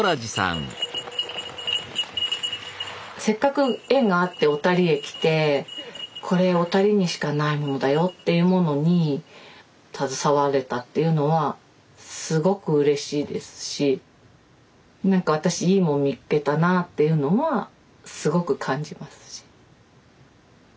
せっかく縁があって小谷へ来て「これ小谷にしかないものだよ」っていうものに携われたっていうのはすごくうれしいですし何か私いいもん見っけたなっていうのはすごく感じますし。